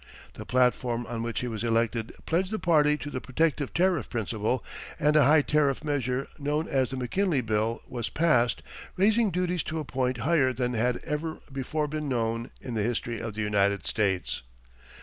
The platform on which he was elected pledged the party to the protective tariff principle, and a high tariff measure, known as the McKinley Bill, was passed, raising duties to a point higher than had ever before been known in the history of the United States.